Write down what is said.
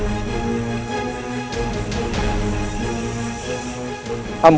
ampun tapi aku akan menggambarimu